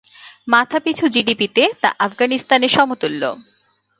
মাথাপিছু জিডিপি-তে তা আফগানিস্তানের সমতুল্য।